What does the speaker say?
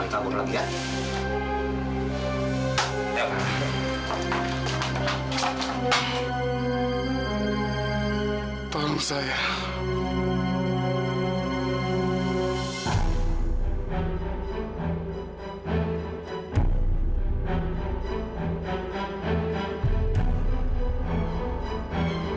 jangan sampai lu bikin repot gue lagi